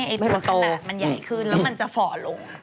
ตลาดมันใหญ่ขึ้นแล้วมันจะฝ่อลง